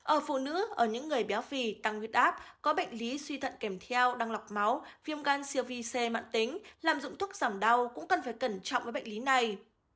ở phụ nữ ở những người béo phì tăng huyết áp có bệnh lý suy thận kèm theo đau lọc máu viêm gan siêu vi c mạng tính làm dụng thuốc giảm đau cũng cần phải cẩn trọng với bệnh lý này